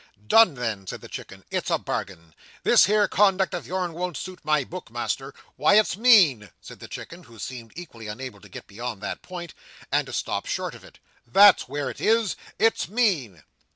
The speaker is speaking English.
"Done then," said the Chicken. "It's a bargain. This here conduct of yourn won't suit my book, Master. Wy, it's mean," said the Chicken; who seemed equally unable to get beyond that point, and to stop short of it. "That's where it is; it's mean!"